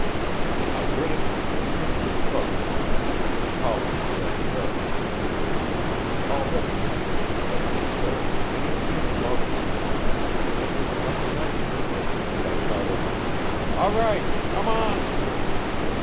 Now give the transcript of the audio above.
I gritted my teeth and struggled to my feet, calling to Desiree. She was already hanging to the edge of the cliff, many feet above me. But there was nothing else for it, and I shouted: "All right, come on!"